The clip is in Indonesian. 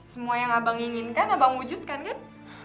semua yang abang inginkan abang wujudkan kan